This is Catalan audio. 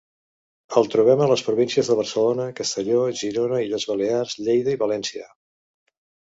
El trobem a les províncies de Barcelona, Castelló, Girona, Illes Balears, Lleida i València.